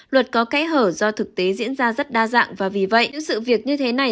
luật có kẽ hở do thực tế diễn ra rất đa dạng và vì vậy sự việc như thế này